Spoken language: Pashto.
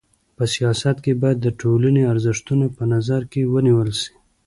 په سیاست کي بايد د ټولني ارزښتونه په نظر کي ونیول سي.